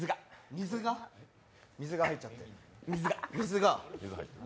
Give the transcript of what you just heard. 水が、水が入っちゃった？